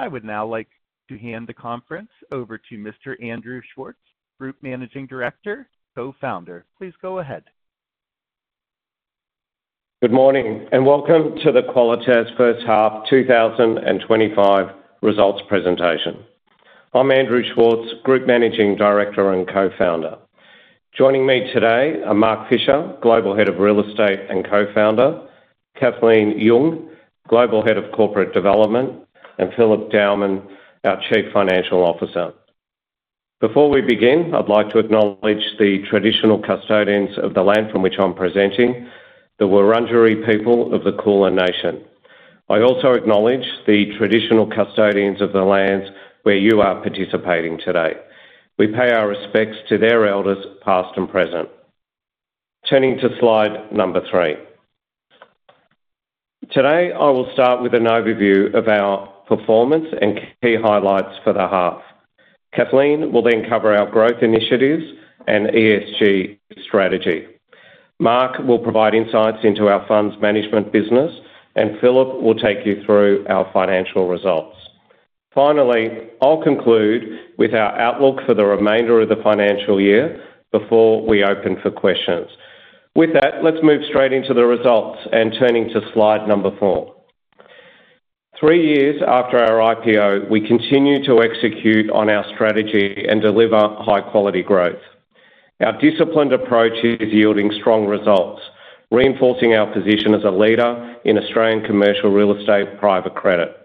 I would now like to hand the conference over to Mr. Andrew Schwartz, Group Managing Director, Co-Founder. Please go ahead. Good morning and welcome to the Qualitas First Half 2025 results presentation. I'm Andrew Schwartz, Group Managing Director and Co-Founder. Joining me today are Mark Fischer, Global Head of Real Estate and Co-founder, Kathleen Yeung, Global Head of Corporate Development, and Philip Dowman, our Chief Financial Officer. Before we begin, I'd like to acknowledge the traditional custodians of the land from which I'm presenting, the Wurundjeri people of the Kulin Nation. I also acknowledge the traditional custodians of the lands where you are participating today. We pay our respects to their elders, past and present. Turning to slide number three. Today, I will start with an overview of our performance and key highlights for the half. Kathleen will then cover our growth initiatives and ESG strategy. Mark will provide insights into our funds management business, and Philip will take you through our financial results. Finally, I'll conclude with our outlook for the remainder of the financial year before we open for questions. With that, let's move straight into the results and turn to slide number four. Three years after our IPO, we continue to execute on our strategy and deliver high-quality growth. Our disciplined approach is yielding strong results, reinforcing our position as a leader in Australian commercial real estate private credit.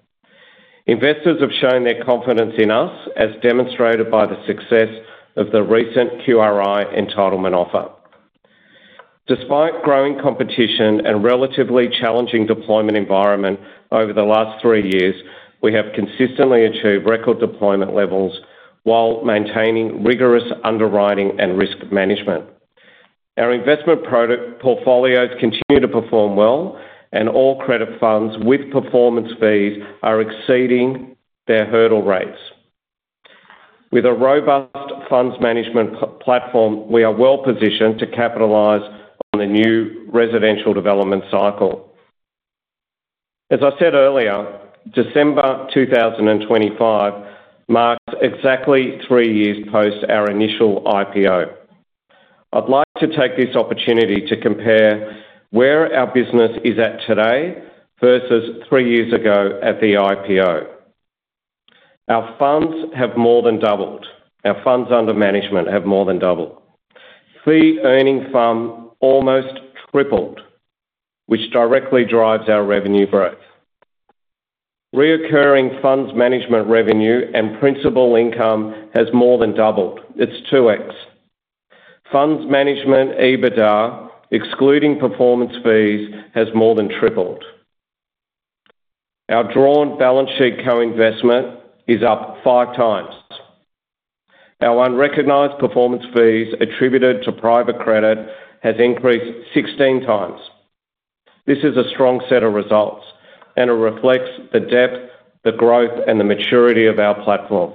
Investors have shown their confidence in us, as demonstrated by the success of the recent QRI entitlement offer. Despite growing competition and a relatively challenging deployment environment over the last three years, we have consistently achieved record deployment levels while maintaining rigorous underwriting and risk management. Our investment portfolios continue to perform well, and all credit funds with performance fees are exceeding their hurdle rates. With a robust funds management platform, we are well positioned to capitalize on the new residential development cycle. As I said earlier, December 2025 marks exactly three years post our initial IPO. I'd like to take this opportunity to compare where our business is at today versus three years ago at the IPO. Our funds have more than doubled. Our funds under management have more than doubled. Fee-earning FUMs almost tripled, which directly drives our revenue growth. Recurring funds management revenue and principal income has more than doubled. It's 2x. Funds management EBITDA, excluding performance fees, has more than tripled. Our drawn balance sheet co-investment is up 5x. Our unrecognized performance fees attributed to private credit have increased 16x. This is a strong set of results and reflects the depth, the growth, and the maturity of our platform.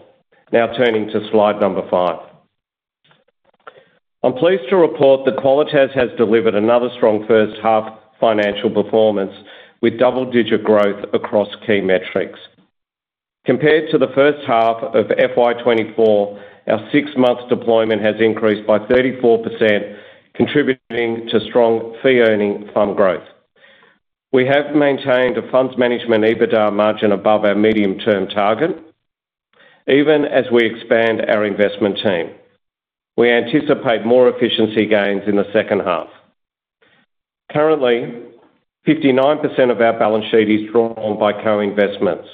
Now, turning to slide number five. I'm pleased to report that Qualitas has delivered another strong first half financial performance with double-digit growth across key metrics. Compared to the first half of FY 2024, our six-month deployment has increased by 34%, contributing to strong fee-earning FUM growth. We have maintained a funds management EBITDA margin above our medium-term target, even as we expand our investment team. We anticipate more efficiency gains in the second half. Currently, 59% of our balance sheet is drawn by co-investments,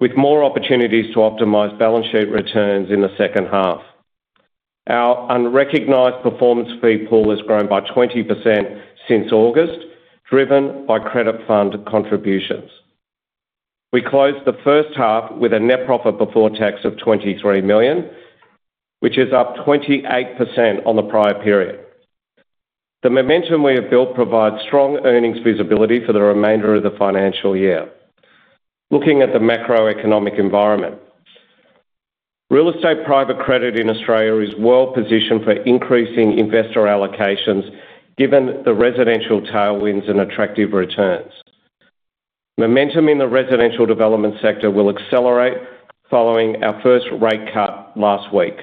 with more opportunities to optimize balance sheet returns in the second half. Our unrecognized performance fee pool has grown by 20% since August, driven by credit fund contributions. We closed the first half with a net profit before tax of 23 million, which is up 28% on the prior period. The momentum we have built provides strong earnings visibility for the remainder of the financial year. Looking at the macroeconomic environment, real estate private credit in Australia is well positioned for increasing investor allocations given the residential tailwinds and attractive returns. Momentum in the residential development sector will accelerate following our first rate cut last week.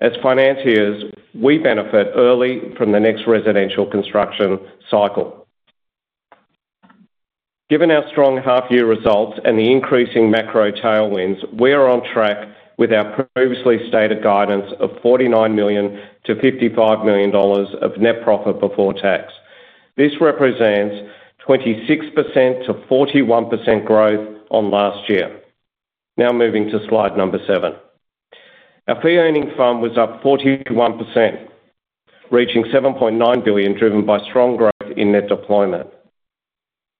As financiers, we benefit early from the next residential construction cycle. Given our strong half-year results and the increasing macro tailwinds, we are on track with our previously stated guidance of 49 million-55 million dollars of net profit before tax. This represents 26%-41% growth on last year. Now, moving to slide number seven. Our fee-earning FUM was up 41%, reaching 7.9 billion, driven by strong growth in net deployment.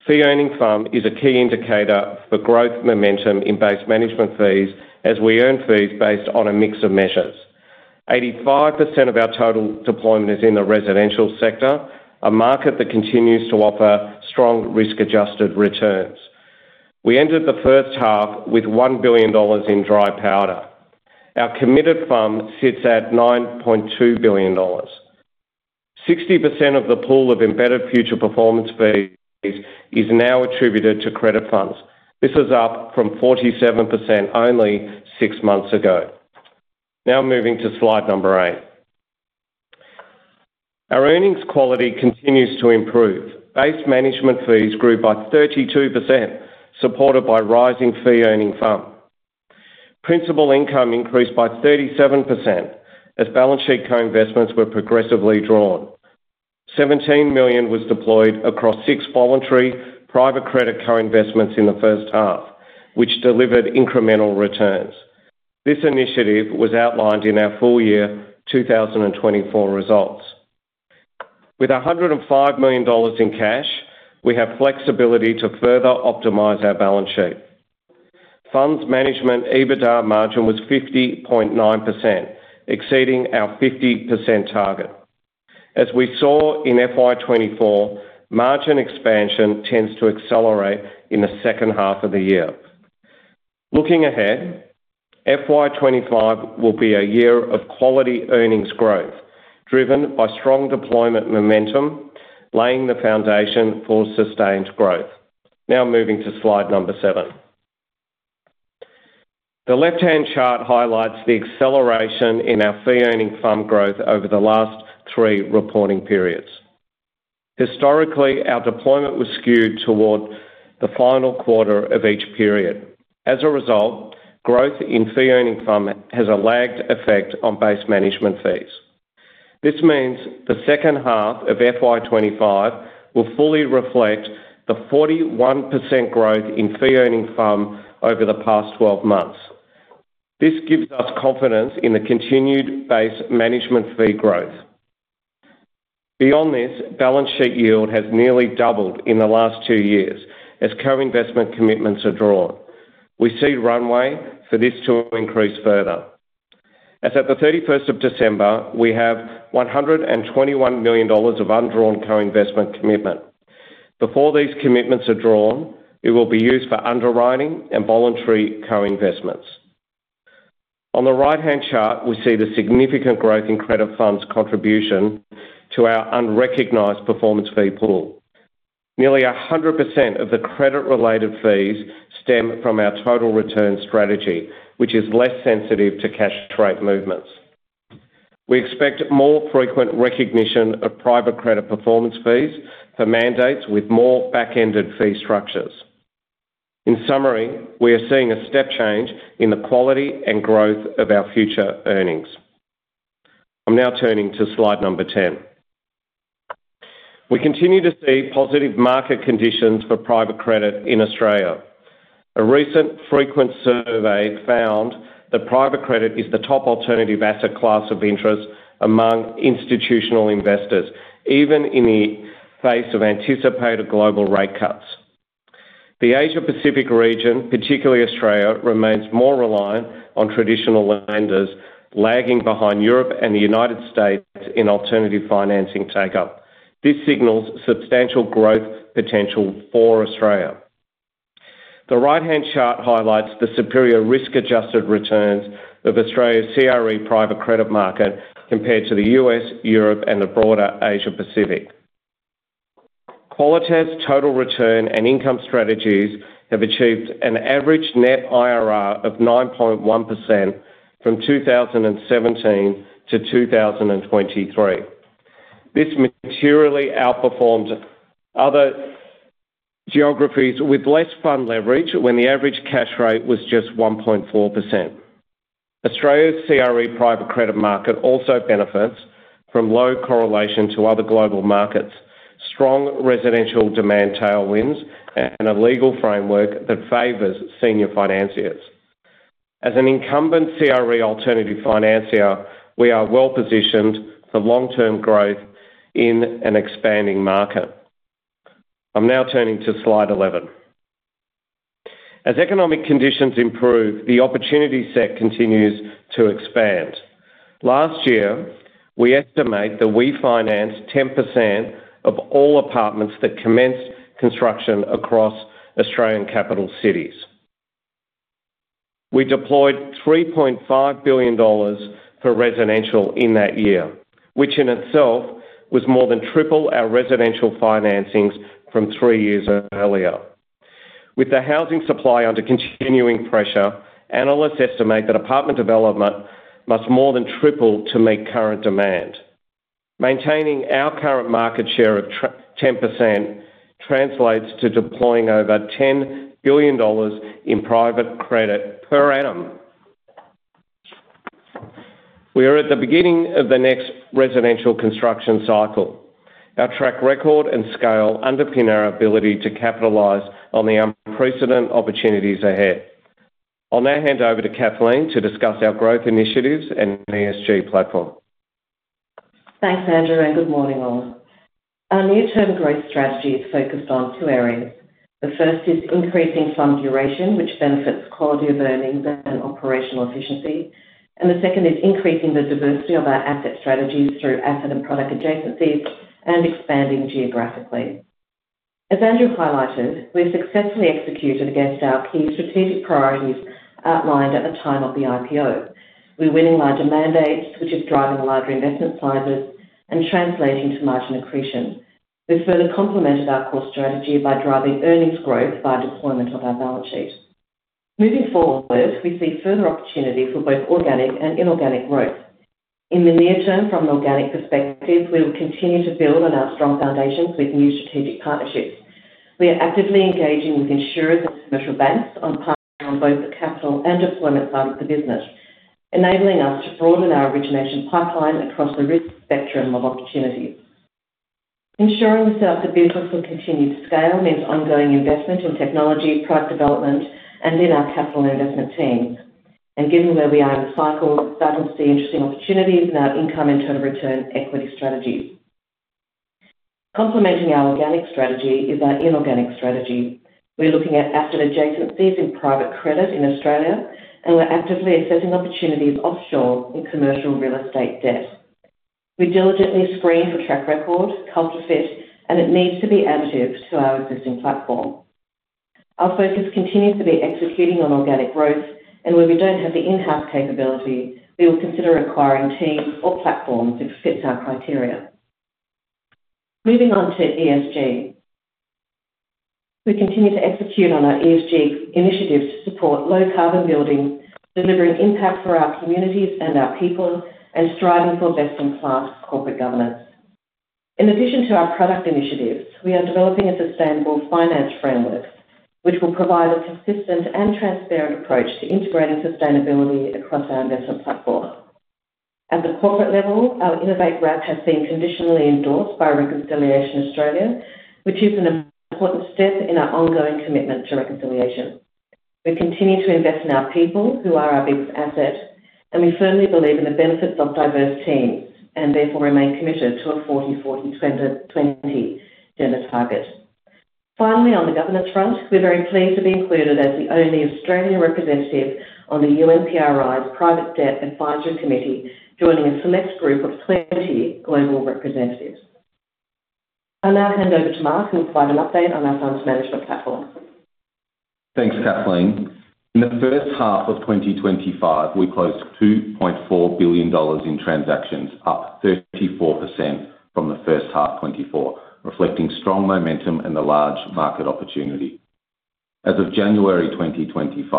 Fee-earning FUM is a key indicator for growth momentum in base management fees as we earn fees based on a mix of measures. 85% of our total deployment is in the residential sector, a market that continues to offer strong risk-adjusted returns. We ended the first half with 1 billion dollars in dry powder. Our committed FUM sits at 9.2 billion dollars. 60% of the pool of embedded future performance fees is now attributed to credit funds. This is up from 47% only six months ago. Now, moving to slide number eight. Our earnings quality continues to improve. Base management fees grew by 32%, supported by rising fee-earning FUM. Principal income increased by 37% as balance sheet co-investments were progressively drawn. 17 million was deployed across six voluntary private credit co-investments in the first half, which delivered incremental returns. This initiative was outlined in our full year 2024 results. With 105 million dollars in cash, we have flexibility to further optimize our balance sheet. Funds management EBITDA margin was 50.9%, exceeding our 50% target. As we saw in FY 2024, margin expansion tends to accelerate in the second half of the year. Looking ahead, FY 2025 will be a year of quality earnings growth, driven by strong deployment momentum, laying the foundation for sustained growth. Now, moving to slide number seven. The left-hand chart highlights the acceleration in our fee-earning FUM growth over the last three reporting periods. Historically, our deployment was skewed toward the final quarter of each period. As a result, growth in fee-earning FUM has a lagged effect on base management fees. This means the second half of FY 2025 will fully reflect the 41% growth in fee-earning FUM over the past 12 months. This gives us confidence in the continued base management fee growth. Beyond this, balance sheet yield has nearly doubled in the last two years as co-investment commitments are drawn. We see runway for this to increase further. As of the 31st of December, we have 121 million dollars of undrawn co-investment commitment. Before these commitments are drawn, it will be used for underwriting and voluntary co-investments. On the right-hand chart, we see the significant growth in credit funds contribution to our unrecognized performance fee pool. Nearly 100% of the credit-related fees stem from our total return strategy, which is less sensitive to cash rate movements. We expect more frequent recognition of private credit performance fees for mandates with more back-ended fee structures. In summary, we are seeing a step change in the quality and growth of our future earnings. I'm now turning to slide number 10. We continue to see positive market conditions for private credit in Australia. A recent Preqin survey found that private credit is the top alternative asset class of interest among institutional investors, even in the face of anticipated global rate cuts. The Asia-Pacific region, particularly Australia, remains more reliant on traditional lenders, lagging behind Europe and the United States in alternative financing take-up. This signals substantial growth potential for Australia. The right-hand chart highlights the superior risk-adjusted returns of Australia's CRE private credit market compared to the U.S., Europe, and the broader Asia-Pacific. Qualitas' total return and income strategies have achieved an average net IRR of 9.1% from 2017 to 2023. This materially outperformed other geographies with less fund leverage when the average cash rate was just 1.4%. Australia's CRE private credit market also benefits from low correlation to other global markets, strong residential demand tailwinds, and a legal framework that favors senior financiers. As an incumbent CRE alternative financier, we are well positioned for long-term growth in an expanding market. I'm now turning to slide 11. As economic conditions improve, the opportunity set continues to expand. Last year, we estimate that we financed 10% of all apartments that commenced construction across Australian capital cities. We deployed 3.5 billion dollars for residential in that year, which in itself was more than triple our residential financings from three years earlier. With the housing supply under continuing pressure, analysts estimate that apartment development must more than triple to meet current demand. Maintaining our current market share of 10% translates to deploying over 10 billion dollars in private credit per annum. We are at the beginning of the next residential construction cycle. Our track record and scale underpin our ability to capitalize on the unprecedented opportunities ahead. I'll now hand over to Kathleen to discuss our growth initiatives and ESG platform. Thanks, Andrew, and good morning, all. Our near-term growth strategy is focused on two areas. The first is increasing fund duration, which benefits quality of earnings and operational efficiency. And the second is increasing the diversity of our asset strategies through asset and product adjacencies and expanding geographically. As Andrew highlighted, we have successfully executed against our key strategic priorities outlined at the time of the IPO. We are winning larger mandates, which is driving larger investment sizes and translating to margin accretion. We further complemented our core strategy by driving earnings growth by deployment of our balance sheet. Moving forward, we see further opportunity for both organic and inorganic growth. In the near term, from an organic perspective, we will continue to build on our strong foundations with new strategic partnerships. We are actively engaging with insurers and commercial banks on partnerships on both the capital and deployment side of the business, enabling us to broaden our origination pipeline across the risk spectrum of opportunities. Ensuring that the business will continue to scale means ongoing investment in technology, product development, and in our capital investment teams. And given where we are in the cycle, we started to see interesting opportunities in our income and risk-return equity strategies. Complementing our organic strategy is our inorganic strategy. We're looking at asset adjacencies in private credit in Australia, and we're actively assessing opportunities offshore in commercial real estate debt. We diligently screen for track record, culture fit, and it needs to be additive to our existing platform. Our focus continues to be executing on organic growth, and where we don't have the in-house capability, we will consider acquiring teams or platforms if it fits our criteria. Moving on to ESG. We continue to execute on our ESG initiatives to support low-carbon building, delivering impact for our communities and our people, and striving for best-in-class corporate governance. In addition to our product initiatives, we are developing a sustainable finance framework, which will provide a consistent and transparent approach to integrating sustainability across our investment platform. At the corporate level, our Innovate RAP has been conditionally endorsed by Reconciliation Australia, which is an important step in our ongoing commitment to reconciliation. We continue to invest in our people, who are our biggest asset, and we firmly believe in the benefits of diverse teams and therefore remain committed to a 40-40-20 gender target. Finally, on the governance front, we're very pleased to be included as the only Australian representative on the UN PRI's Private Debt Advisory Committee, joining a select group of 20 global representatives. I'll now hand over to Mark and provide an update on our funds management platform. Thanks, Kathleen. In the first half of 2025, we closed 2.4 billion dollars in transactions, up 34% from the first half 2024, reflecting strong momentum and the large market opportunity. As of January 2025,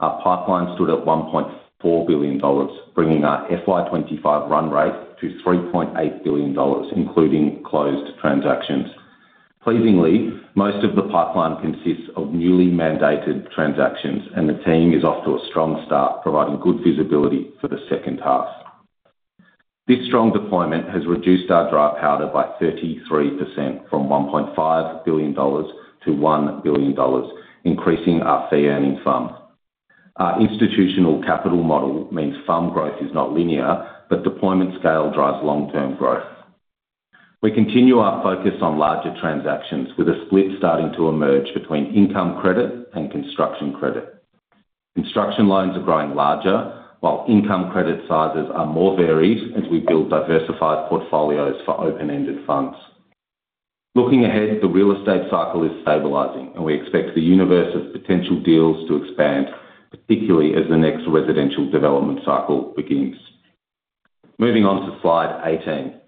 our pipeline stood at 1.4 billion dollars, bringing our FY 2025 run rate to 3.8 billion dollars, including closed transactions. Pleasingly, most of the pipeline consists of newly mandated transactions, and the team is off to a strong start, providing good visibility for the second half. This strong deployment has reduced our dry powder by 33% from 1.5 billion dollars to 1 billion dollars, increasing our fee-earning FUM. Our institutional capital model means fund growth is not linear, but deployment scale drives long-term growth. We continue our focus on larger transactions, with a split starting to emerge between income credit and construction credit. Construction loans are growing larger, while income credit sizes are more varied as we build diversified portfolios for open-ended funds. Looking ahead, the real estate cycle is stabilizing, and we expect the universe of potential deals to expand, particularly as the next residential development cycle begins. Moving on to slide 18.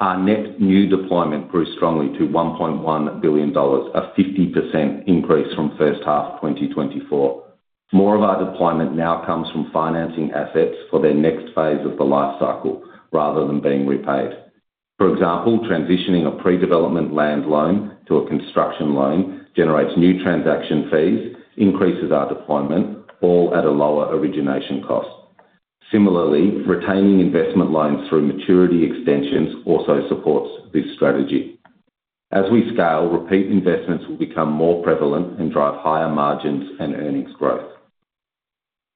Our net new deployment grew strongly to 1.1 billion dollars, a 50% increase from first half 2024. More of our deployment now comes from financing assets for their next phase of the life cycle, rather than being repaid. For example, transitioning a pre-development land loan to a construction loan generates new transaction fees, increases our deployment, all at a lower origination cost. Similarly, retaining investment loans through maturity extensions also supports this strategy. As we scale, repeat investments will become more prevalent and drive higher margins and earnings growth.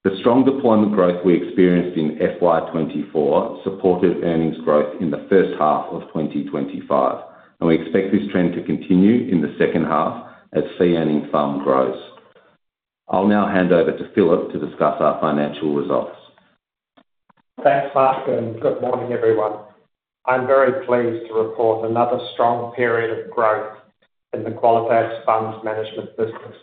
The strong deployment growth we experienced in FY 2024 supported earnings growth in the first half of 2025, and we expect this trend to continue in the second half as fee-earning FUM grows. I'll now hand over to Philip to discuss our financial results. Thanks, Mark, and good morning, everyone. I'm very pleased to report another strong period of growth in the Qualitas funds management business.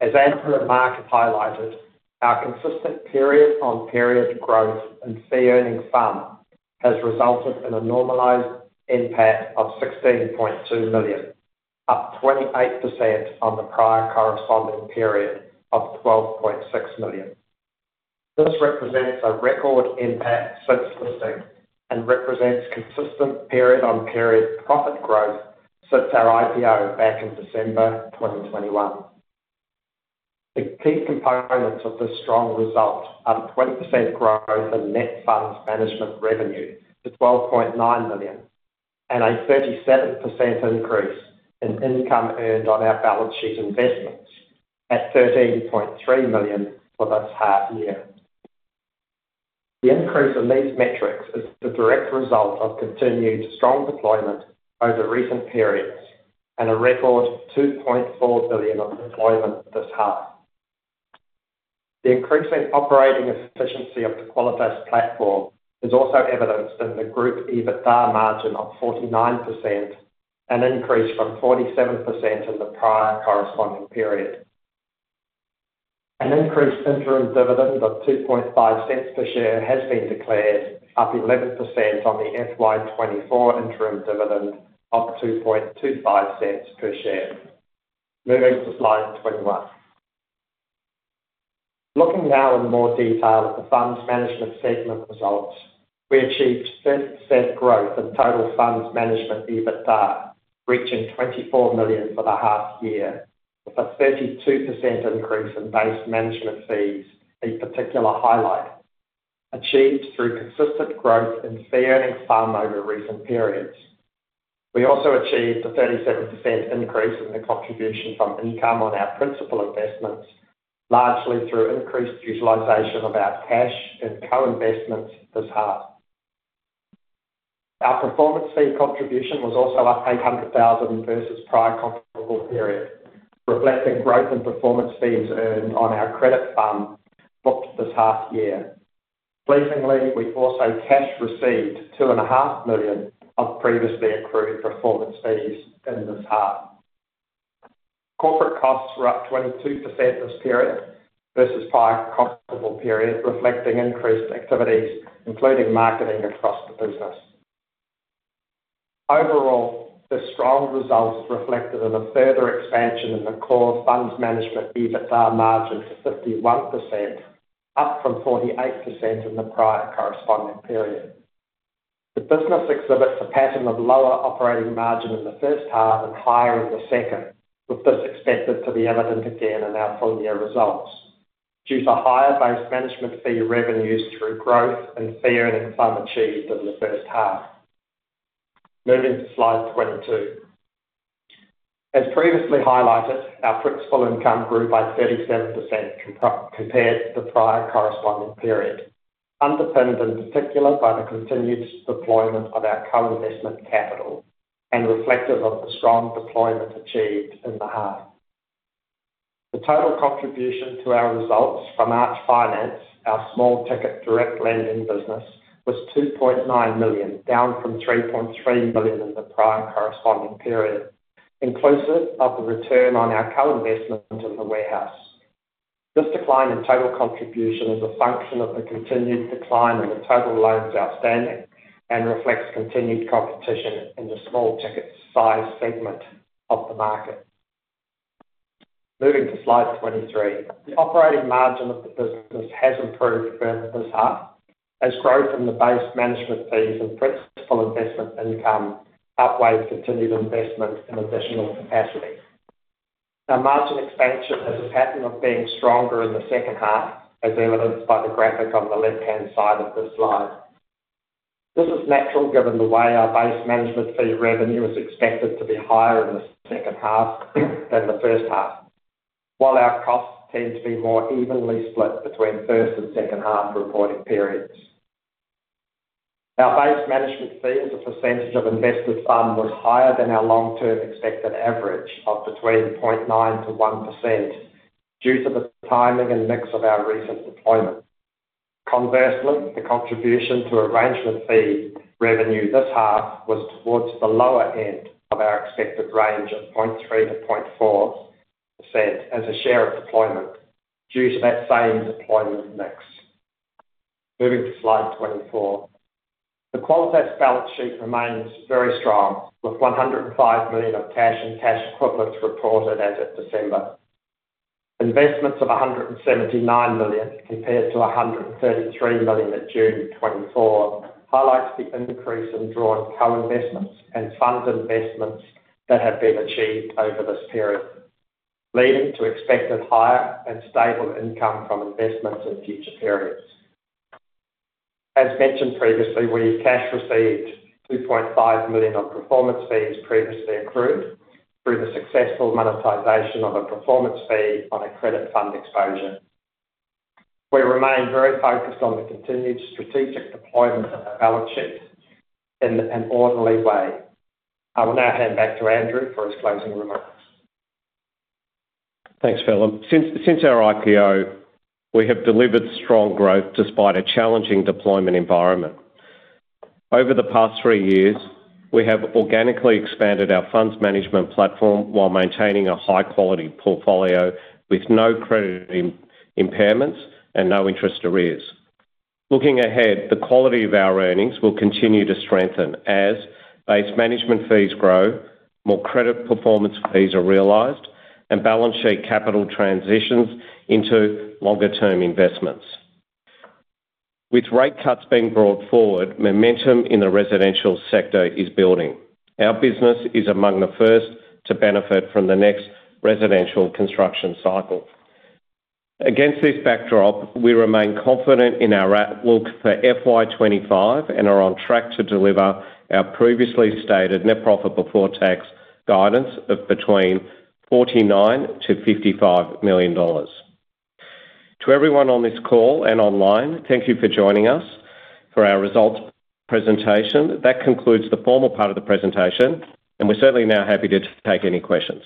As Andrew and Mark have highlighted, our consistent period-on-period growth in fee-earning FUM has resulted in a normalized NPAT of 16.2 million, up 28% on the prior corresponding period of 12.6 million. This represents a record NPAT since listing and represents consistent period-on-period profit growth since our IPO back in December 2021. The key components of this strong result are the 20% growth in net funds management revenue to 12.9 million and a 37% increase in income earned on our balance sheet investments at 13.3 million for this half-year. The increase in these metrics is the direct result of continued strong deployment over recent periods and a record 2.4 billion of deployment this half. The increasing operating efficiency of the Qualitas platform is also evidenced in the Group EBITDA margin of 49%, an increase from 47% in the prior corresponding period. An increased interim dividend of 0.25 per share has been declared, up 11% on the FY 2024 interim dividend of 0.25 per share. Moving to slide 21. Looking now in more detail at the funds management segment results, we achieved 30% growth in total funds management EBITDA, reaching 24 million for the half-year, with a 32% increase in base management fees, a particular highlight achieved through consistent growth in fee-earning FUM over recent periods. We also achieved a 37% increase in the contribution from income on our principal investments, largely through increased utilization of our cash and co-investments this half. Our performance fee contribution was also up 800,000 versus prior comparable period, reflecting growth in performance fees earned on our credit fund booked this half-year. Pleasingly, we also cash received 2.5 million of previously accrued performance fees in this half. Corporate costs were up 22% this period versus prior comparable period, reflecting increased activities, including marketing across the business. Overall, the strong results reflected in a further expansion in the core funds management EBITDA margin to 51%, up from 48% in the prior corresponding period. The business exhibits a pattern of lower operating margin in the first half and higher in the second, with this expected to be evident again in our full-year results due to higher base management fee revenues through growth and fee-earning FUM achieved in the first half. Moving to slide 22. As previously highlighted, our principal income grew by 37% compared to the prior corresponding period, underpinned in particular by the continued deployment of our co-investment capital and reflective of the strong deployment achieved in the half. The total contribution to our results from Arch Finance, our small ticket direct lending business, was 2.9 million, down from 3.3 million in the prior corresponding period, inclusive of the return on our co-investment in the warehouse. This decline in total contribution is a function of the continued decline in the total loans outstanding and reflects continued competition in the small ticket size segment of the market. Moving to slide 23. The operating margin of the business has improved further this half as growth in the base management fees and principal investment income outweighed continued investment in additional capacity. Our margin expansion has a pattern of being stronger in the second half, as evidenced by the graphic on the left-hand side of this slide. This is natural given the way our base management fee revenue is expected to be higher in the second half than the first half, while our costs tend to be more evenly split between first and second half reporting periods. Our base management fees, a percentage of invested FUM, was higher than our long-term expected average of between 0.9%-1% due to the timing and mix of our recent deployment. Conversely, the contribution to arrangement fee revenue this half was towards the lower end of our expected range of 0.3%-0.4% as a share of deployment due to that same deployment mix. Moving to slide 24. The Qualitas balance sheet remains very strong, with 105 million of cash and cash equivalents reported as of December. Investments of 179 million compared to 133 million at June 2024 highlights the increase in drawn co-investments and fund investments that have been achieved over this period, leading to expected higher and stable income from investments in future periods. As mentioned previously, we cash received 2.5 million of performance fees previously accrued through the successful monetization of a performance fee on a credit fund exposure. We remain very focused on the continued strategic deployment of our balance sheet in an orderly way. I will now hand back to Andrew for his closing remarks. Thanks, Philip. Since our IPO, we have delivered strong growth despite a challenging deployment environment. Over the past three years, we have organically expanded our funds management platform while maintaining a high-quality portfolio with no credit impairments and no interest arrears. Looking ahead, the quality of our earnings will continue to strengthen as base management fees grow, more credit performance fees are realized, and balance sheet capital transitions into longer-term investments. With rate cuts being brought forward, momentum in the residential sector is building. Our business is among the first to benefit from the next residential construction cycle. Against this backdrop, we remain confident in our outlook for FY 2025 and are on track to deliver our previously stated net profit before tax guidance of between 49 million to 55 million dollars. To everyone on this call and online, thank you for joining us for our results presentation. That concludes the formal part of the presentation, and we're certainly now happy to take any questions.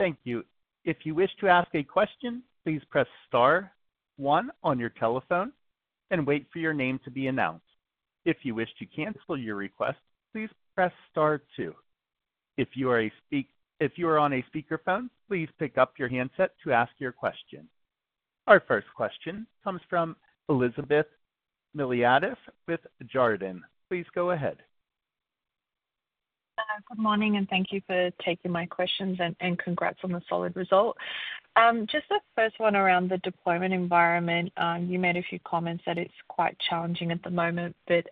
Thank you. If you wish to ask a question, please press star one on your telephone and wait for your name to be announced. If you wish to cancel your request, please press star two. If you are on a speakerphone, please pick up your handset to ask your question. Our first question comes from Elizabeth Miliatis with Jarden. Please go ahead. Good morning, and thank you for taking my questions and congrats on the solid result. Just the first one around the deployment environment, you made a few comments that it's quite challenging at the moment, but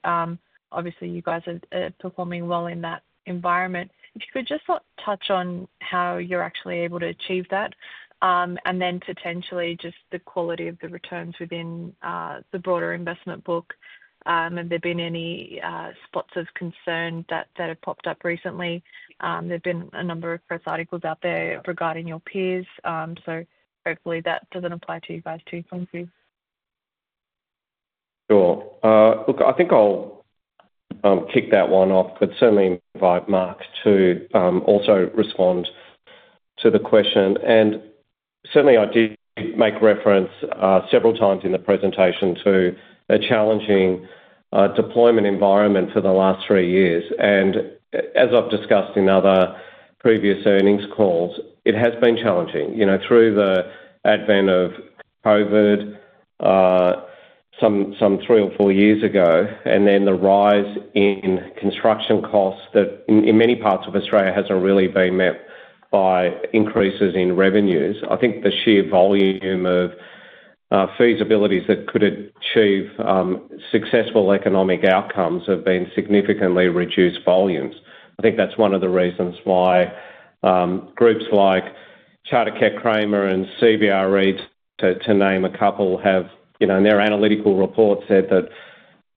obviously, you guys are performing well in that environment. If you could just touch on how you're actually able to achieve that and then potentially just the quality of the returns within the broader investment book, have there been any spots of concern that have popped up recently? There have been a number of press articles out there regarding your peers, so hopefully, that doesn't apply to you guys too. Thank you. Sure. Look, I think I'll kick that one off, but certainly invite Mark to also respond to the question, and certainly, I did make reference several times in the presentation to a challenging deployment environment for the last three years. And as I've discussed in other previous earnings calls, it has been challenging through the advent of COVID some three or four years ago, and then the rise in construction costs that in many parts of Australia hasn't really been met by increases in revenues. I think the sheer volume of feasibilities that could achieve successful economic outcomes have been significantly reduced volumes. I think that's one of the reasons why groups like Charter Keck Cramer and CBRE, to name a couple, have in their analytical report said that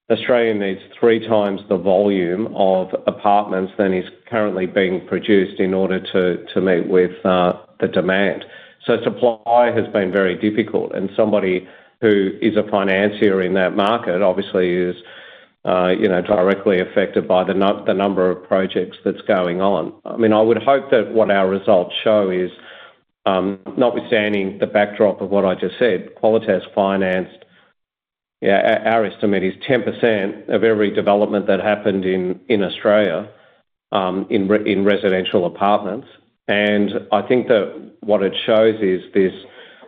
Australia needs 3x the volume of apartments than is currently being produced in order to meet with the demand. So supply has been very difficult, and somebody who is a financier in that market obviously is directly affected by the number of projects that's going on. I mean, I would hope that what our results show is, notwithstanding the backdrop of what I just said, Qualitas financed, yeah, our estimate is 10% of every development that happened in Australia in residential apartments. I think that what it shows is this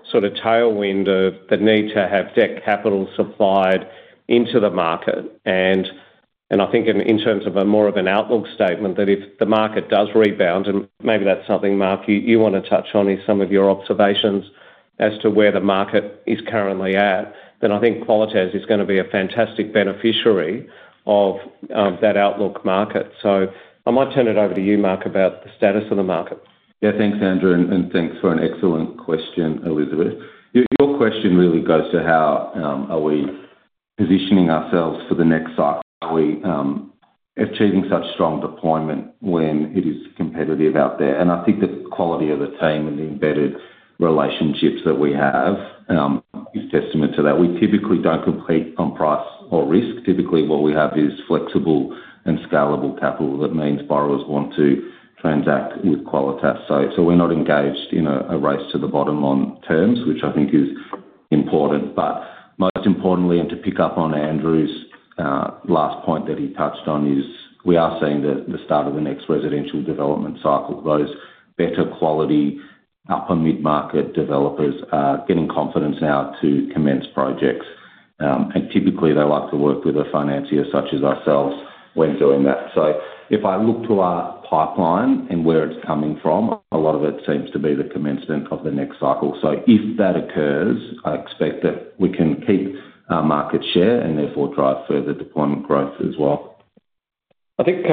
sort of tailwind of the need to have debt capital supplied into the market. I think in terms of more of an outlook statement that if the market does rebound, and maybe that's something, Mark, you want to touch on is some of your observations as to where the market is currently at, then I think Qualitas is going to be a fantastic beneficiary of that outlook market. So I might turn it over to you, Mark, about the status of the market. Yeah, thanks, Andrew, and thanks for an excellent question, Elizabeth. Your question really goes to how are we positioning ourselves for the next cycle? Are we achieving such strong deployment when it is competitive out there? And I think the quality of the team and the embedded relationships that we have is a testament to that. We typically don't compete on price or risk. Typically, what we have is flexible and scalable capital that means borrowers want to transact with Qualitas. So we're not engaged in a race to the bottom on terms, which I think is important. But most importantly, and to pick up on Andrew's last point that he touched on, is we are seeing the start of the next residential development cycle. Those better quality upper mid-market developers are getting confidence now to commence projects. And typically, they like to work with a financier such as ourselves when doing that. If I look to our pipeline and where it's coming from, a lot of it seems to be the commencement of the next cycle. If that occurs, I expect that we can keep our market share and therefore drive further deployment growth as well. I think,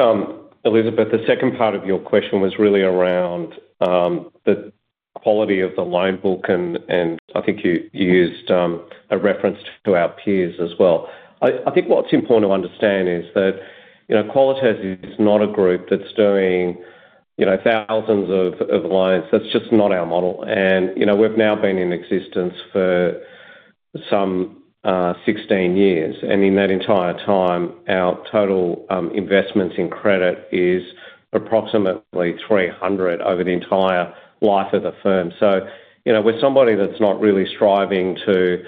Elizabeth, the second part of your question was really around the quality of the loan book, and I think you used a reference to our peers as well. I think what's important to understand is that Qualitas is not a group that's doing thousands of loans. That's just not our model. We've now been in existence for some 16 years. In that entire time, our total investments in credit is approximately 300 over the entire life of the firm. We're somebody that's not really striving to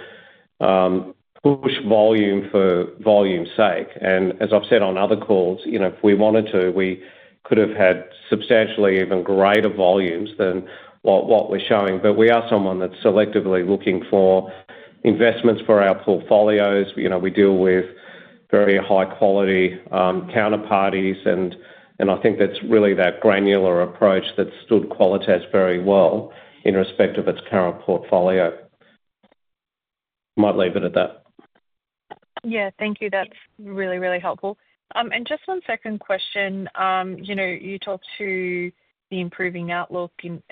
push volume for volume's sake. And as I've said on other calls, if we wanted to, we could have had substantially even greater volumes than what we're showing. But we are someone that's selectively looking for investments for our portfolios. We deal with very high-quality counterparties, and I think that's really that granular approach that's stood Qualitas very well in respect of its current portfolio. Might leave it at that. Yeah, thank you. That's really, really helpful. And just one second question. You talked to the improving outlook in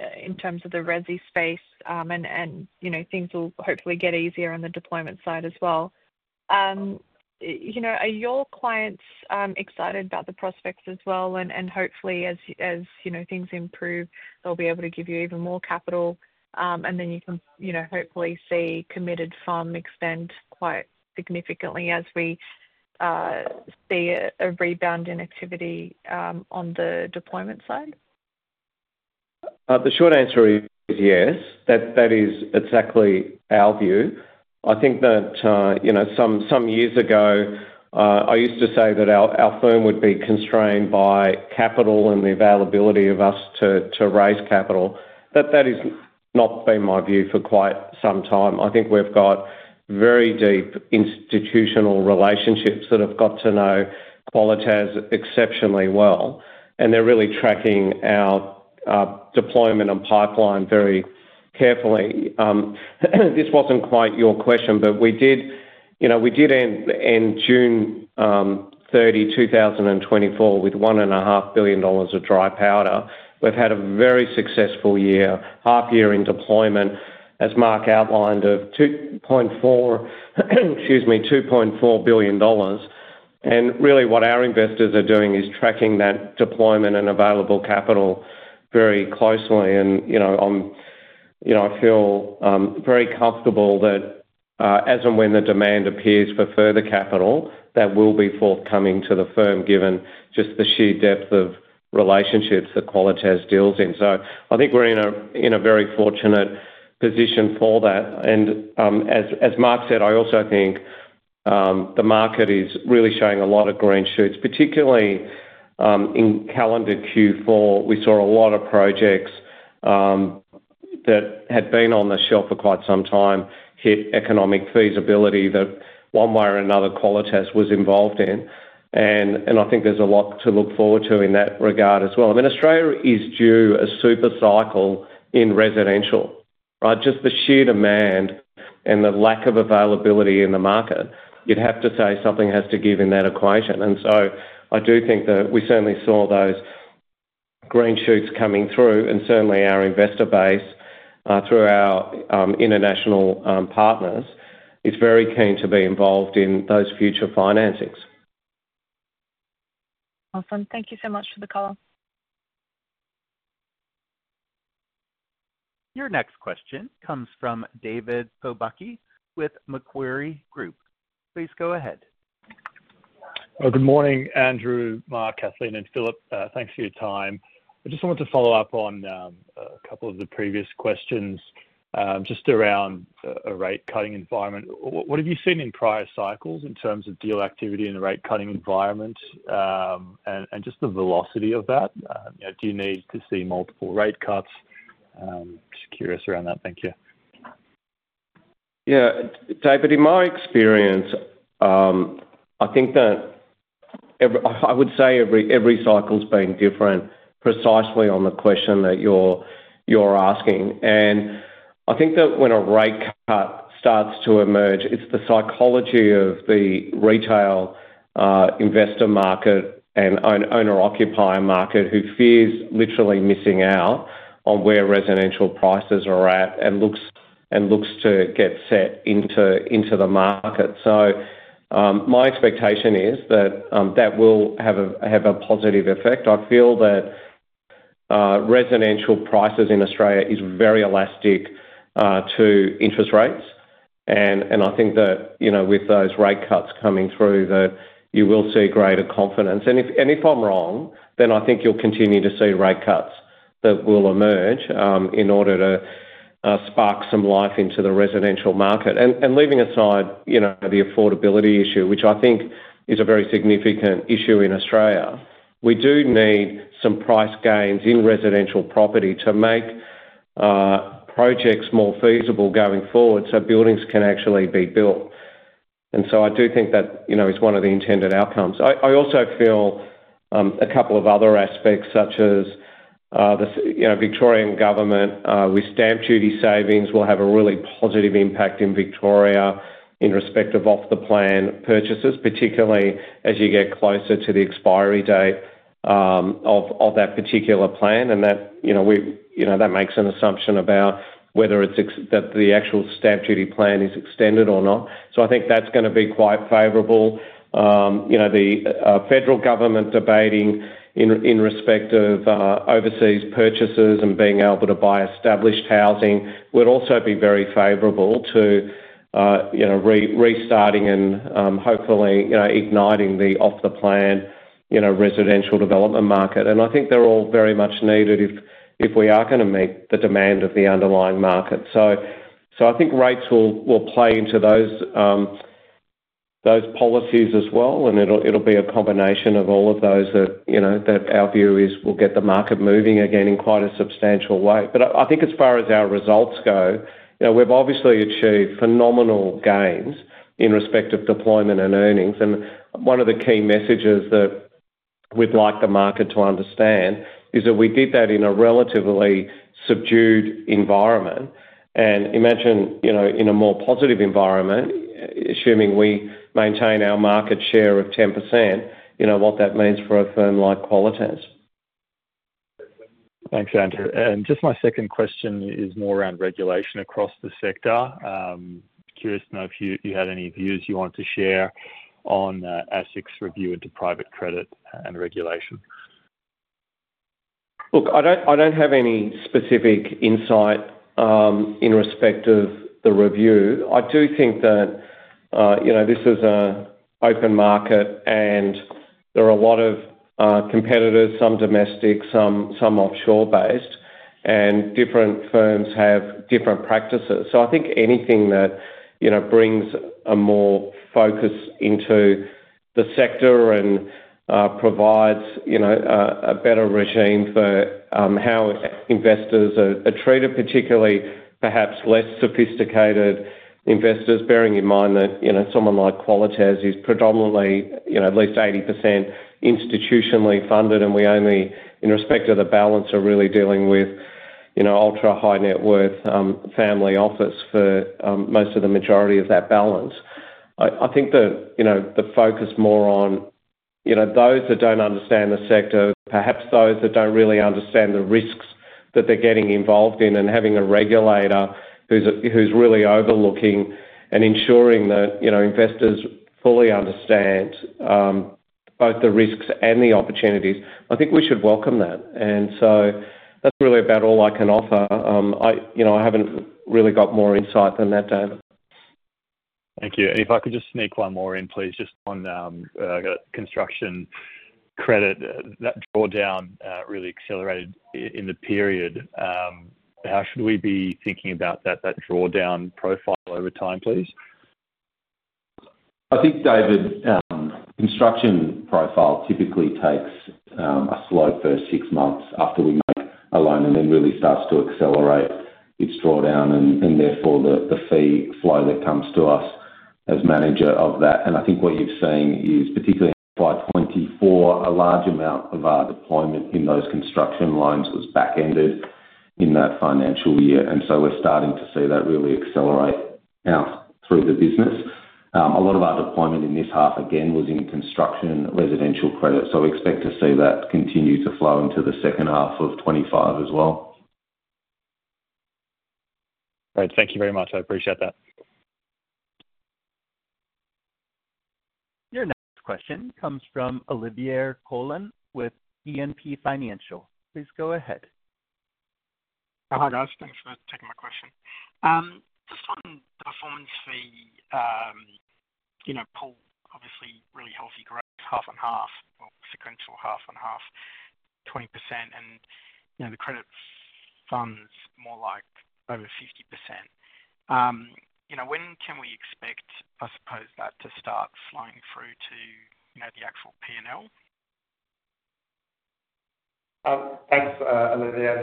terms of the Resi space, and things will hopefully get easier on the deployment side as well. Are your clients excited about the prospects as well? And hopefully, as things improve, they'll be able to give you even more capital, and then you can hopefully see committed funds expand quite significantly as we see a rebound in activity on the deployment side? The short answer is yes. That is exactly our view. I think that some years ago, I used to say that our firm would be constrained by capital and the availability of us to raise capital. That has not been my view for quite some time. I think we've got very deep institutional relationships that have got to know Qualitas exceptionally well, and they're really tracking our deployment and pipeline very carefully. This wasn't quite your question, but we did end June 30, 2024, with 1.5 billion dollars of dry powder. We've had a very successful year, half-year in deployment, as Mark outlined, of 2.4 billion dollars and really, what our investors are doing is tracking that deployment and available capital very closely. I feel very comfortable that as and when the demand appears for further capital, that will be forthcoming to the firm given just the sheer depth of relationships that Qualitas deals in. I think we're in a very fortunate position for that. As Mark said, I also think the market is really showing a lot of green shoots, particularly in calendar Q4. We saw a lot of projects that had been on the shelf for quite some time hit economic feasibility that one way or another Qualitas was involved in. I think there's a lot to look forward to in that regard as well. I mean, Australia is due a super cycle in residential, right? Just the sheer demand and the lack of availability in the market, you'd have to say something has to give in that equation. And so I do think that we certainly saw those green shoots coming through, and certainly our investor base through our international partners is very keen to be involved in those future financings. Awesome. Thank you so much for the call. Your next question comes from David Pobucky with Macquarie Group. Please go ahead. Good morning, Andrew, Mark, Kathleen, and Philip. Thanks for your time. I just wanted to follow up on a couple of the previous questions just around a rate-cutting environment. What have you seen in prior cycles in terms of deal activity in a rate-cutting environment and just the velocity of that? Do you need to see multiple rate cuts? Just curious around that. Thank you. Yeah. David, in my experience, I think that I would say every cycle's been different precisely on the question that you're asking. I think that when a rate cut starts to emerge, it's the psychology of the retail investor market and owner-occupier market who fears literally missing out on where residential prices are at and looks to get set into the market. My expectation is that that will have a positive effect. I feel that residential prices in Australia are very elastic to interest rates. I think that with those rate cuts coming through, you will see greater confidence. If I'm wrong, then I think you'll continue to see rate cuts that will emerge in order to spark some life into the residential market. Leaving aside the affordability issue, which I think is a very significant issue in Australia, we do need some price gains in residential property to make projects more feasible going forward so buildings can actually be built. And so I do think that is one of the intended outcomes. I also feel a couple of other aspects such as the Victorian government with stamp duty savings will have a really positive impact in Victoria in respect of off-the-plan purchases, particularly as you get closer to the expiry date of that particular plan. And that makes an assumption about whether the actual stamp duty plan is extended or not. So I think that's going to be quite favorable. The federal government debating in respect of overseas purchases and being able to buy established housing would also be very favorable to restarting and hopefully igniting the off-the-plan residential development market. And I think they're all very much needed if we are going to meet the demand of the underlying market. So I think rates will play into those policies as well, and it'll be a combination of all of those that our view is will get the market moving again in quite a substantial way. But I think as far as our results go, we've obviously achieved phenomenal gains in respect of deployment and earnings. And one of the key messages that we'd like the market to understand is that we did that in a relatively subdued environment. And imagine in a more positive environment, assuming we maintain our market share of 10%, what that means for a firm like Qualitas. Thanks, Andrew. And just my second question is more around regulation across the sector. Curious to know if you had any views you want to share on ASIC's review into private credit and regulation. Look, I don't have any specific insight in respect of the review. I do think that this is an open market, and there are a lot of competitors, some domestic, some offshore-based, and different firms have different practices. So I think anything that brings a more focus into the sector and provides a better regime for how investors are treated, particularly perhaps less sophisticated investors, bearing in mind that someone like Qualitas is predominantly at least 80% institutionally funded. And we only, in respect of the balance, are really dealing with ultra-high-net-worth family office for most of the majority of that balance. I think that the focus more on those that don't understand the sector, perhaps those that don't really understand the risks that they're getting involved in, and having a regulator who's really overlooking and ensuring that investors fully understand both the risks and the opportunities. I think we should welcome that. And so that's really about all I can offer. I haven't really got more insight than that, David. Thank you. And if I could just sneak one more in, please, just on construction credit, that drawdown really accelerated in the period. How should we be thinking about that drawdown profile over time, please? I think, David, construction profile typically takes a slow first six months after we make a loan and then really starts to accelerate its drawdown, and therefore the fee flow that comes to us as manager of that. And I think what you've seen is particularly in 2024, a large amount of our deployment in those construction loans was back-ended in that financial year. And so we're starting to see that really accelerate out through the business. A lot of our deployment in this half, again, was in construction residential credit. So we expect to see that continue to flow into the second half of 2025 as well. Great. Thank you very much. I appreciate that. Your next question comes from Olivier Coulon with E&P Financial. Please go ahead. Hi, guys. Thanks for taking my question. Just on the performance fee pool obviously really healthy growth, half and half, sequential half and half, 20%, and the credit funds more like over 50%. When can we expect, I suppose, that to start flowing through to the actual P&L? Thanks, Olivier.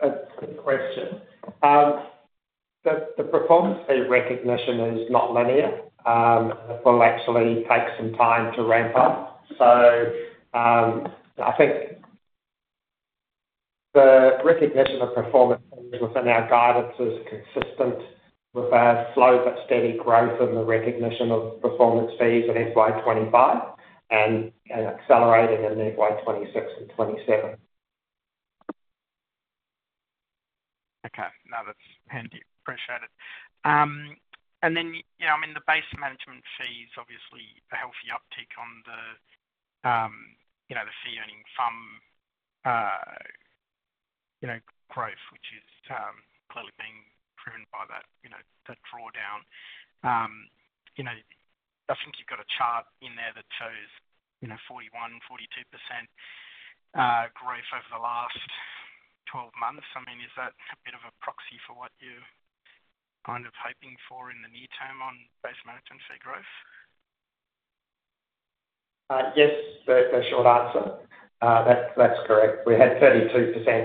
That's a good question. The performance fee recognition is not linear. It will actually take some time to ramp up. So I think the recognition of performance fees within our guidance is consistent with our slow but steady growth in the recognition of performance fees in FY 2025 and accelerating in FY 2026 and 2027. Okay. No, that's handy. Appreciate it. And then in the base management fees, obviously a healthy uptick on the fee-earning FUM growth, which is clearly being driven by that drawdown. I think you've got a chart in there that shows 41%-42% growth over the last 12 months. I mean, is that a bit of a proxy for what you're kind of hoping for in the near term on base management fee growth? Yes, the short answer. That's correct. We had 32%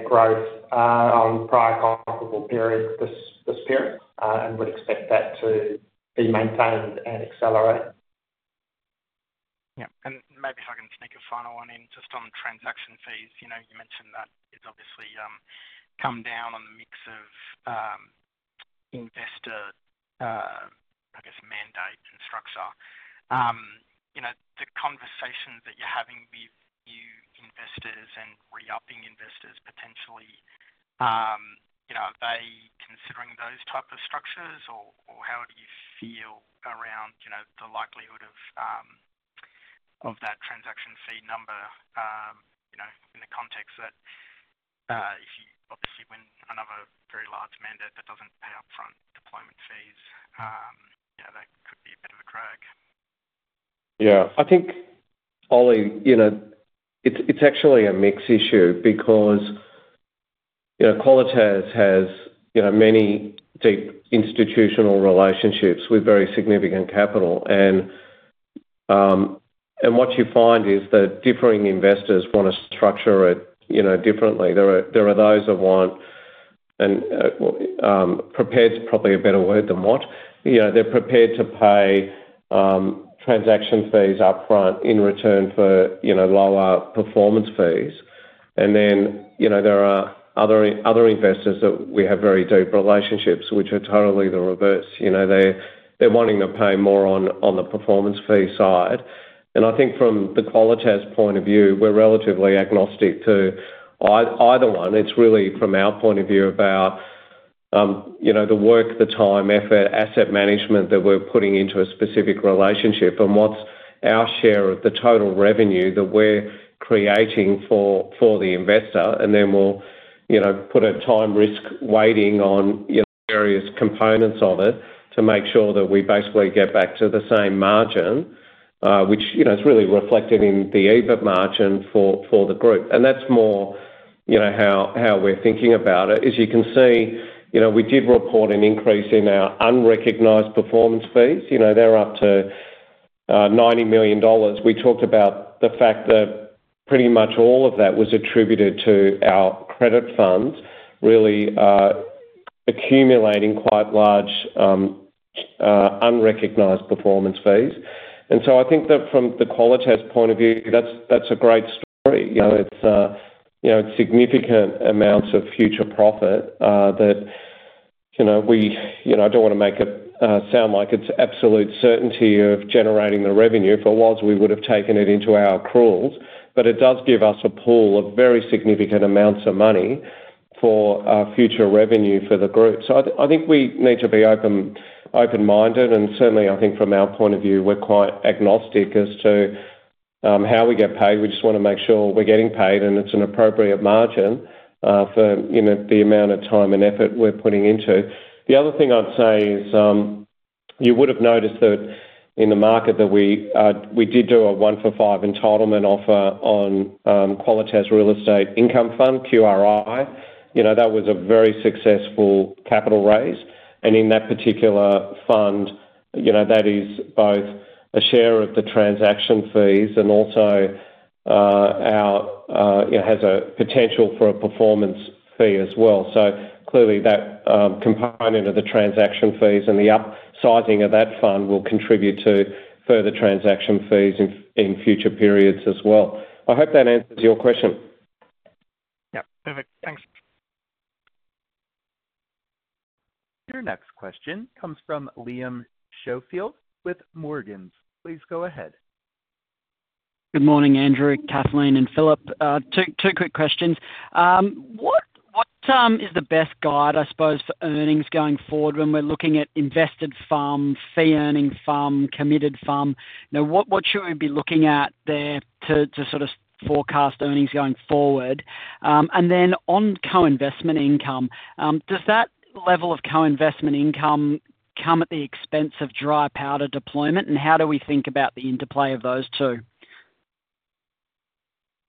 growth on prior comparable periods this period and would expect that to be maintained and accelerate. Yeah. And maybe if I can sneak a final one in just on transaction fees, you mentioned that it's obviously come down on the mix of investor, I guess, mandate and structure. The conversations that you're having with new investors and re-upping investors potentially, are they considering those types of structures or how do you feel around the likelihood of that transaction fee number in the context that if you obviously win another very large mandate that doesn't pay upfront deployment fees, that could be a bit of a drag? Yeah. I think, Olie, it's actually a mixed issue because Qualitas has many deep institutional relationships with very significant capital, and what you find is that differing investors want to structure it differently. There are those that want, prepared is probably a better word than what, they're prepared to pay transaction fees upfront in return for lower performance fees, and then there are other investors that we have very deep relationships with, which are totally the reverse. They're wanting to pay more on the performance fee side. I think from the Qualitas point of view, we're relatively agnostic to either one. It's really from our point of view about the work, the time, effort, asset management that we're putting into a specific relationship and what's our share of the total revenue that we're creating for the investor. Then we'll put a time risk weighting on various components of it to make sure that we basically get back to the same margin, which is really reflected in the EBIT margin for the group. That's more how we're thinking about it. As you can see, we did report an increase in our unrecognized performance fees. They're up to 90 million dollars. We talked about the fact that pretty much all of that was attributed to our credit funds really accumulating quite large unrecognized performance fees. I think that from the Qualitas point of view, that's a great story. It's significant amounts of future profit that we, I don't want to make it sound like it's absolute certainty of generating the revenue. If it was, we would have taken it into our accruals. But it does give us a pool of very significant amounts of money for future revenue for the group. I think we need to be open-minded. Certainly, I think from our point of view, we're quite agnostic as to how we get paid. We just want to make sure we're getting paid and it's an appropriate margin for the amount of time and effort we're putting into. The other thing I'd say is you would have noticed that in the market that we did do a one-for-five entitlement offer on Qualitas Real Estate Income Fund, QRI. That was a very successful capital raise. And in that particular fund, that is both a share of the transaction fees and also has a potential for a performance fee as well. So clearly, that component of the transaction fees and the upsizing of that fund will contribute to further transaction fees in future periods as well. I hope that answers your question. Yeah. Perfect. Thanks. Your next question comes from Liam Schofield with Morgans. Please go ahead. Good morning, Andrew, Kathleen, and Philip. Two quick questions. What is the best guide, I suppose, for earnings going forward when we're looking at invested fund, fee-earning FUM, committed fund? What should we be looking at there to sort of forecast earnings going forward? And then on co-investment income, does that level of co-investment income come at the expense of dry powder deployment? And how do we think about the interplay of those two?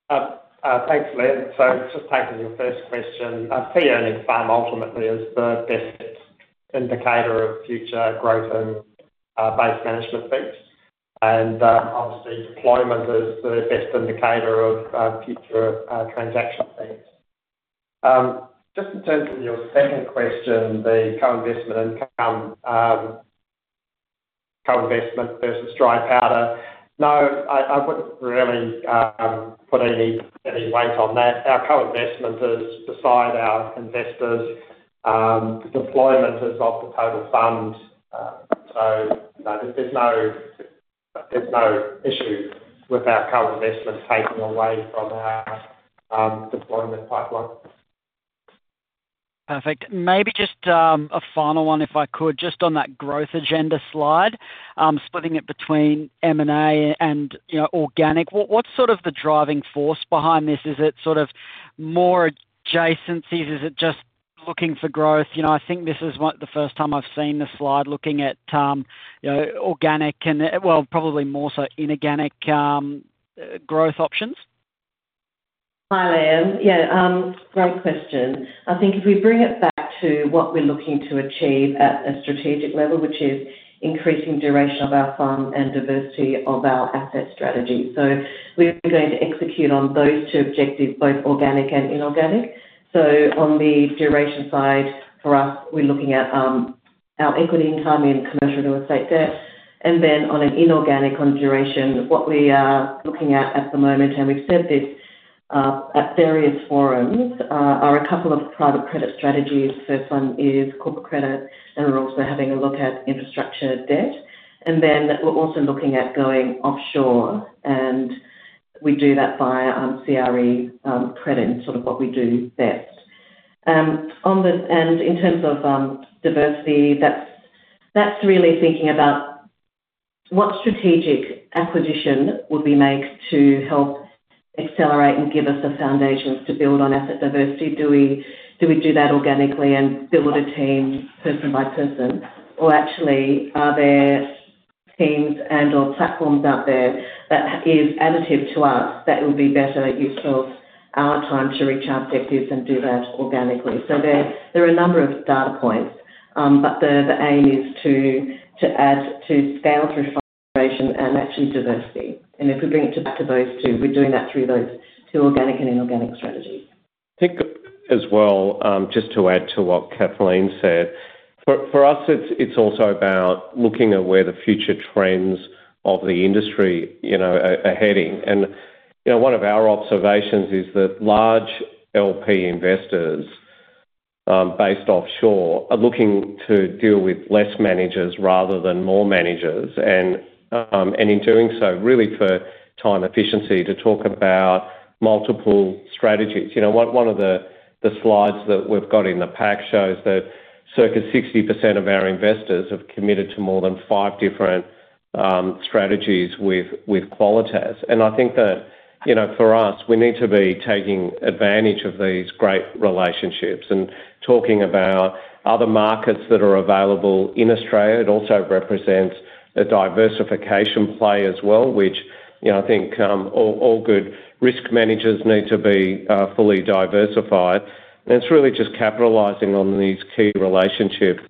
Thanks, Liam. So just taking your first question, fee-earning FUM ultimately is the best indicator of future growth and base management fees. And obviously, deployment is the best indicator of future transaction fees. Just in terms of your second question, the co-investment income, co-investment versus dry powder, no, I wouldn't really put any weight on that. Our co-investment is, beside our investors, the deployment is of the total fund. So there's no issue with our co-investment taking away from our deployment pipeline. Perfect. Maybe just a final one, if I could, just on that growth agenda slide, splitting it between M&A and organic. What's sort of the driving force behind this? Is it sort of more adjacencies? Is it just looking for growth? I think this is the first time I've seen the slide looking at organic and, well, probably more so inorganic growth options. Hi, Liam. Yeah. Great question. I think if we bring it back to what we're looking to achieve at a strategic level, which is increasing duration of our fund and diversity of our asset strategy, so we're going to execute on those two objectives, both organic and inorganic, so on the duration side, for us, we're looking at our equity income in commercial real estate debt. And then on an inorganic duration, what we are looking at at the moment, and we've said this at various forums, are a couple of private credit strategies. The first one is corporate credit, and we're also having a look at infrastructure debt. And then we're also looking at going offshore, and we do that via CRE credit and sort of what we do best. And in terms of diversity, that's really thinking about what strategic acquisition would we make to help accelerate and give us a foundation to build on asset diversity. Do we do that organically and build a team person by person? Or actually, are there teams and/or platforms out there that is additive to us that will be better use of our time to reach our objectives and do that organically? So there are a number of data points, but the aim is to scale through funding duration and actually diversity. And if we bring it back to those two, we're doing that through those two organic and inorganic strategies. I think as well, just to add to what Kathleen said, for us, it's also about looking at where the future trends of the industry are heading, and one of our observations is that large LP investors based offshore are looking to deal with less managers rather than more managers, and in doing so, really for time efficiency, to talk about multiple strategies. One of the slides that we've got in the pack shows that circa 60% of our investors have committed to more than five different strategies with Qualitas, and I think that for us, we need to be taking advantage of these great relationships and talking about other markets that are available in Australia. It also represents a diversification play as well, which I think all good risk managers need to be fully diversified, and it's really just capitalizing on these key relationships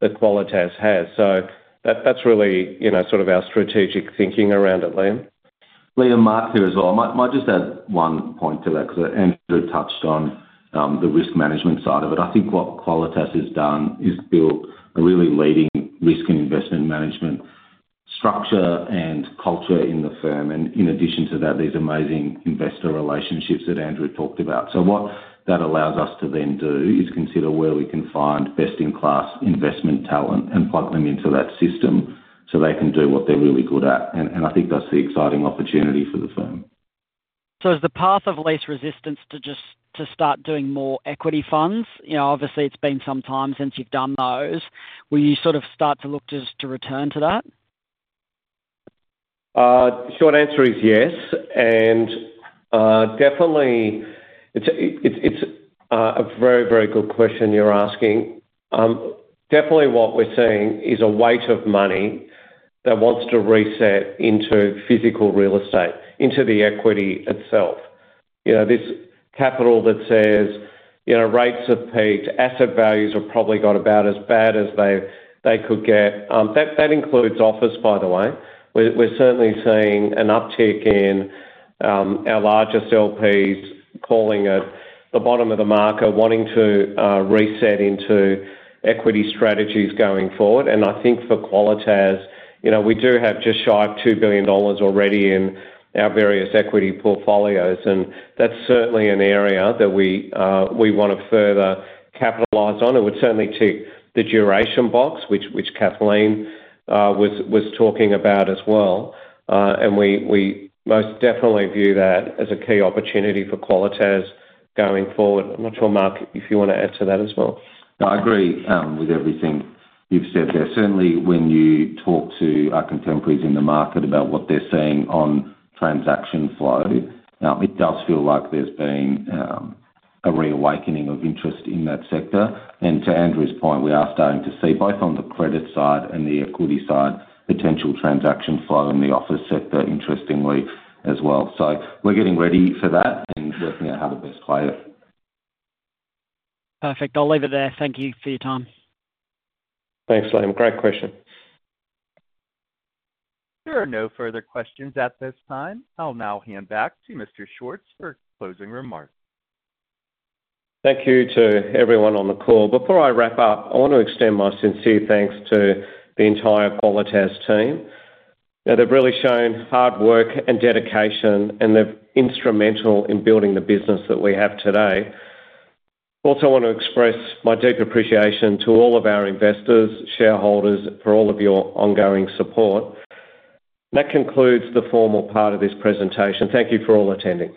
that Qualitas has. So that's really sort of our strategic thinking around it, Liam. Liam, Mark here as well. I might just add one point to that because Andrew touched on the risk management side of it. I think what Qualitas has done is built a really leading risk and investment management structure and culture in the firm. And in addition to that, these amazing investor relationships that Andrew talked about. So what that allows us to then do is consider where we can find best-in-class investment talent and plug them into that system so they can do what they're really good at. And I think that's the exciting opportunity for the firm. So is the path of least resistance to just start doing more equity funds? Obviously, it's been some time since you've done those. Will you sort of start to look to return to that? Short answer is yes. Definitely, it's a very, very good question you're asking. Definitely, what we're seeing is a weight of money that wants to reset into physical real estate, into the equity itself. This capital that says rates have peaked, asset values have probably got about as bad as they could get. That includes office, by the way. We're certainly seeing an uptick in our largest LPs calling it the bottom of the market, wanting to reset into equity strategies going forward. I think for Qualitas, we do have just shy of 2 billion dollars already in our various equity portfolios. That's certainly an area that we want to further capitalize on. It would certainly tick the duration box, which Kathleen was talking about as well. We most definitely view that as a key opportunity for Qualitas going forward. I'm not sure, Mark, if you want to add to that as well. I agree with everything you've said there. Certainly, when you talk to our contemporaries in the market about what they're seeing on transaction flow, it does feel like there's been a reawakening of interest in that sector, and to Andrew's point, we are starting to see both on the credit side and the equity side potential transaction flow in the office sector, interestingly, as well, so we're getting ready for that and working out how to best play it. Perfect. I'll leave it there. Thank you for your time. Thanks, Liam. Great question. There are no further questions at this time. I'll now hand back to Mr. Schwartz for closing remarks. Thank you to everyone on the call. Before I wrap up, I want to extend my sincere thanks to the entire Qualitas team. They've really shown hard work and dedication, and they're instrumental in building the business that we have today. Also, I want to express my deep appreciation to all of our investors, shareholders, for all of your ongoing support. That concludes the formal part of this presentation. Thank you for all attending.